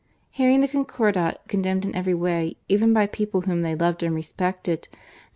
Hearing the Concordat condemned in every way: even by people whom they loved and respected, they.